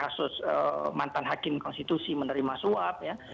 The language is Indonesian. kasus mantan hakim konstitusi menerima suap ya